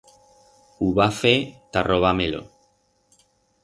Hu va fer ta robar-me-lo.